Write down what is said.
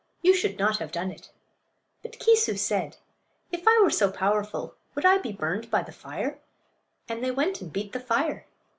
You should not have done it." But Keesoo said, "If I were so powerful would I be burned by the fire?" And they went and beat the fire.